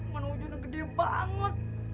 mana wujudnya gede banget